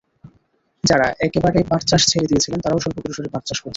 যাঁরা একেবারে পাট চাষ ছেড়ে দিয়েছিলেন, তাঁরাও স্বল্প পরিসরে পাট চাষ করছেন।